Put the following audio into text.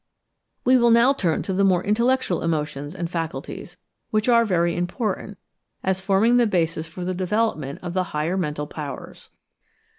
We will now turn to the more intellectual emotions and faculties, which are very important, as forming the basis for the development of the higher mental powers.